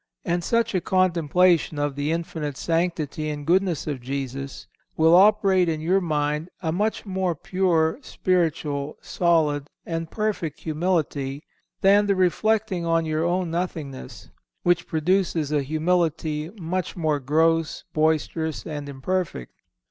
And such a contemplation of the infinite sanctity and goodness of Jesus will operate in your mind a much more pure, spiritual, solid and perfect humility, than the reflecting on your own nothingness, which produces a humility much more gross, boisterous and imperfect.